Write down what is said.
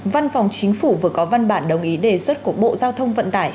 văn phòng chính phủ vừa có văn bản đồng ý đề xuất của bộ giao thông vận tải